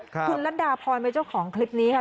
คุณรัฐดาพรเป็นเจ้าของคลิปนี้ค่ะ